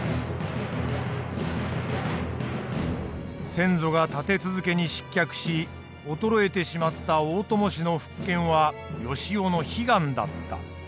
先祖が立て続けに失脚し衰えてしまった大伴氏の復権は善男の悲願だった。